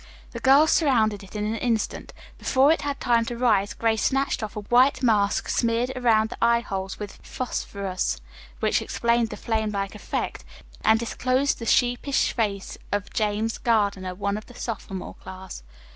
The girls surrounded it in an instant. Before it had time to rise, Grace snatched off a white mask smeared around the eye holes with phosphorus, which explained the flamelike effect, and disclosed the sheepish face of James Gardiner, one of the sophomore class.